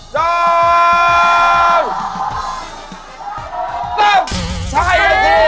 ใช่แล้วสิ